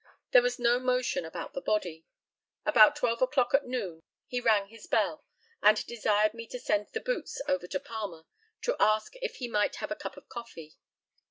There was no motion about the body. About twelve o'clock at noon he rang his bell, and desired me to send the "boots" over to Palmer to ask if he might have a cup of coffee.